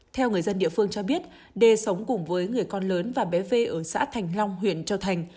theo người dân địa phương cho biết đê sống cùng với người con lớn và bé v ở xã thành long huyện châu thành